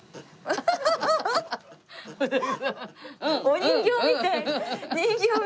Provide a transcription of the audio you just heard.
人形みたい。